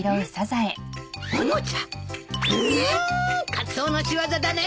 カツオの仕業だね。